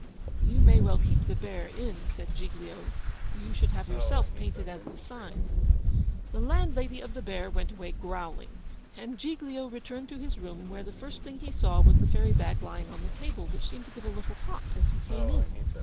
'You may well keep the Bear Inn,' said Giglio. 'You should have yourself painted as the sign.' The landlady of the Bear went away GROWLING. And Giglio returned to his room, where the first thing he saw was the fairy bag lying on the table, which seemed to give a little hop as he came in.